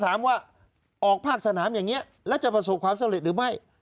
ถามว่าออกภาคสนามอย่างนี้แล้วจะประสบความสำเร็จหรือไม่